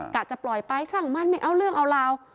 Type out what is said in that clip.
กล้าจะปล่อยไปสร้างมันไม่เอาเรื่องเอาลาว